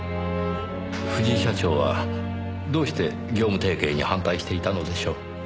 藤井社長はどうして業務提携に反対していたのでしょう？